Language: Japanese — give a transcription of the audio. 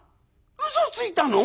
「うそついたの？